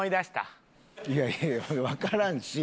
いやいやわからんし。